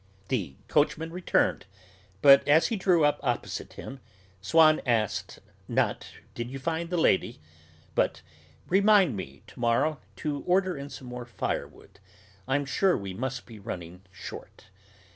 The coachman returned; but, as he drew up opposite him, Swann asked, not "Did you find the lady?" but "Remind me, to morrow, to order in some more firewood. I am sure we must be running short."